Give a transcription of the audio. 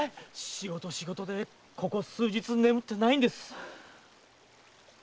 仕事仕事でここ数日眠ってないんです。